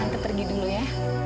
tante pergi dulu ya